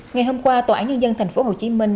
ngày hôm qua tòa án nhân dân thành phố hồ chí minh